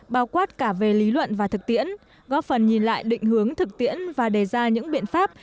bao quát cả về lý luận và thực tiễn góp phần nhìn lại định hướng thực tiễn và đề ra những biện pháp